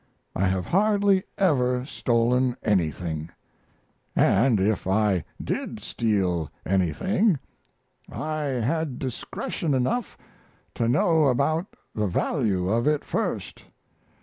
I have hardly ever stolen anything, and if I did steal anything I had discretion enough to know about the value of it first.